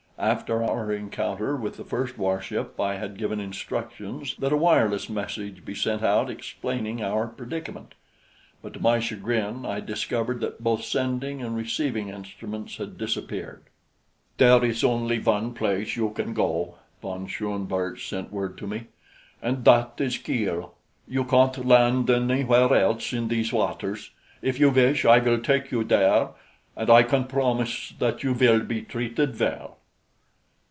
After our encounter with the first warship I had given instructions that a wireless message be sent out explaining our predicament; but to my chagrin I discovered that both sending and receiving instruments had disappeared. "There is only one place you can go," von Schoenvorts sent word to me, "and that is Kiel. You can't land anywhere else in these waters. If you wish, I will take you there, and I can promise that you will be treated well."